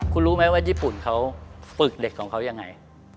คุณรู้ไหมว่าญี่ปุ่นเขาฝึกเหล็กของเขายังไง